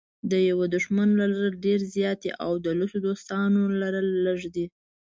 د یوه دښمن لرل ډېر زیات دي او د سلو دوستانو لرل لږ دي.